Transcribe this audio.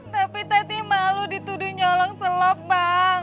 tapi tati malu dituduh nyolong selop bang